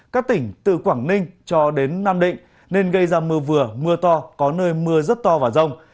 các tỉnh từ quảng ninh cho đến nam định nên gây ra mưa vừa mưa to có nơi mưa rất to và rông